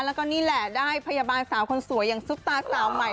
แล้วก็นี่แหละได้พยาบาลสาวคนสวยอย่างซุปตาสาวใหม่